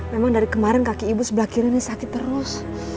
memang dari kemarin kaki ibu sebelah kiri ini sakit terus